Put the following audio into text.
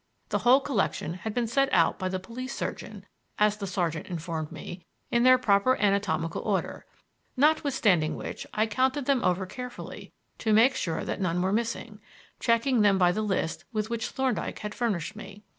The whole collection had been set out by the police surgeon (as the sergeant informed me) in their proper anatomical order; notwithstanding which I counted them over carefully to make sure that none were missing, checking them by the list with which Thorndyke had furnished me.